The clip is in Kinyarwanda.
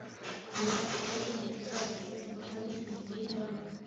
umunyapolitike ntabwo yagaragaye mu ruhame nyuma y'ibyabaye